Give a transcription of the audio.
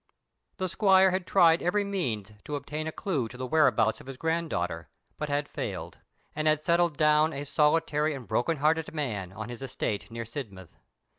The squire had tried every means to obtain a clue to the whereabouts of his granddaughter, but had failed, and had settled down a solitary and broken hearted man on his estate near Sidmouth.